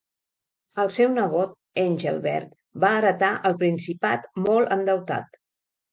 El seu nebot Engelbert va heretar el principat molt endeutat.